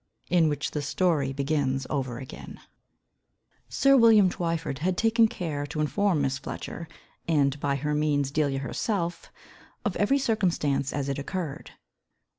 In which the Story begins over again. Sir William Twyford had taken care to inform Miss Fletcher, and by her means Delia herself, of every circumstance as it occurred.